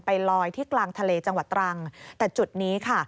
ลอยที่กลางทะเลจังหวัดตรังแต่จุดนี้ค่ะ